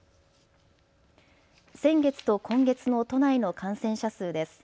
先月と今月の都内の感染者数です。